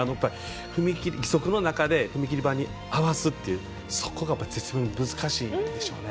その中で踏み切り板に合わすというそこが絶妙に難しいんでしょうね。